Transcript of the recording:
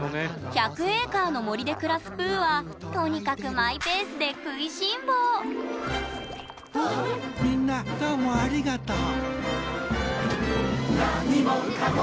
１００エーカーの森で暮らすプーはとにかくマイペースで食いしん坊みんなどうもありがとう。